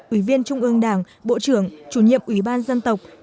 ủy viên trung ương đảng bộ trưởng chủ nhiệm ủy ban dân tộc